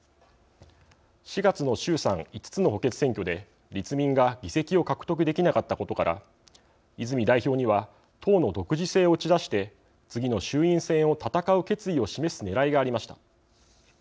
４月の衆参５つの補欠選挙で立民が議席を獲得できなかったことから泉代表には党の独自性を打ち出して次の衆院選を戦う決意を示すねらいがありました。